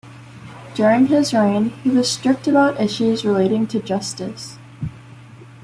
During his reign, he was strict about issues relating to justice.